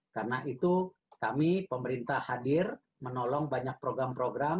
kami pemerintah hadir menolong banyak program program